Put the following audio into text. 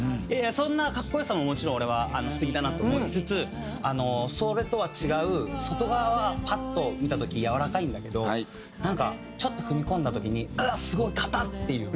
そんなかっこ良さももちろん俺は素敵だなと思いつつそれとは違う外側はパッと見た時やわらかいんだけどなんかちょっと踏み込んだ時にあっすごいかたっ！っていう。